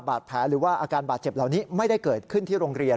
หรือว่าอาการบาดเจ็บเหล่านี้ไม่ได้เกิดขึ้นที่โรงเรียน